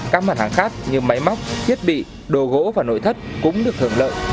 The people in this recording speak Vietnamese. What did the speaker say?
các mặt hàng khác như máy móc thiết bị đồ gỗ và nội thất cũng được hưởng lợi